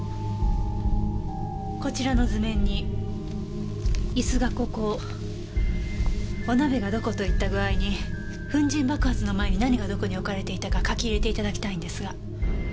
こちらの図面に椅子がここお鍋がどこといった具合に粉塵爆発の前に何がどこに置かれていたか書き入れて頂きたいんですが。